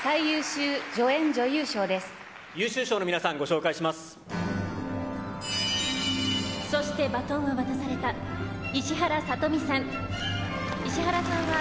優秀賞の皆さん、ご紹介しまそして、バトンは渡された、石原さとみさん。